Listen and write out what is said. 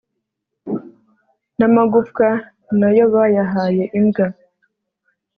n'amagufwa nayo bayahaye imbwa